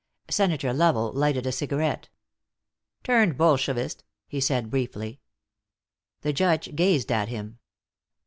Senator Lovell lighted a cigarette. "Turned Bolshevist," he said, briefly. The Judge gazed at him.